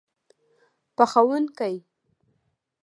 پخوونکی